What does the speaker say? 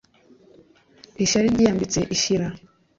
Ishyari ryiyambitse ishyira